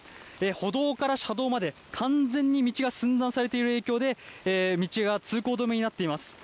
歩道から車道まで、完全に道が寸断されている影響で、道が通行止めになっています。